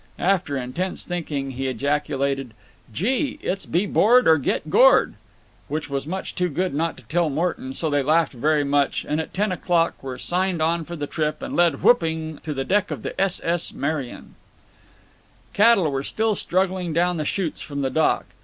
After intense thinking he ejaculated, "Gee! it's be bored or get gored." Which was much too good not to tell Morton, so they laughed very much, and at ten o'clock were signed on for the trip and led, whooping, to the deck of the S.S. Merian. Cattle were still struggling down the chutes from the dock.